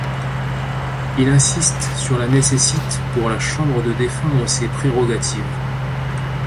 Il insiste sur la nécessite pour la Chambre de défendre ses prérogatives.